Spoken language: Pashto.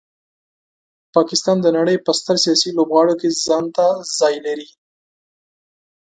پاکستان د نړۍ په ستر سیاسي لوبغاړو کې ځانته ځای لري.